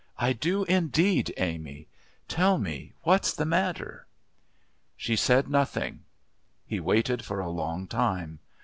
I do indeed, Amy. Tell me what's the matter." She said nothing. He waited for a long time.